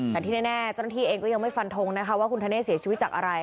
แต่ที่แน่เจ้าหน้าที่เองก็ยังไม่ฟันทงนะคะว่าคุณธเนธเสียชีวิตจากอะไร